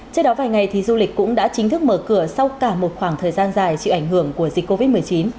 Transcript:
trước đó vài ngày thì du lịch cũng đã chính thức mở cửa sau cả một khoảng thời gian dài chịu ảnh hưởng của dịch covid một mươi chín